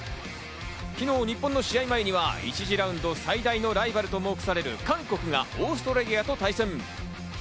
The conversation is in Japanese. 昨日、日本の試合前には１次ラウンド最大のライバルと目される韓国がオーストラリアと対戦。